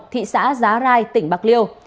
thị xã giá rai tỉnh bạc liêu